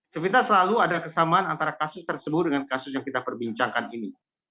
sebenarnya selalu ada kesamaan antara kasus tersebut dengan kasus yang kita perbincangkan ini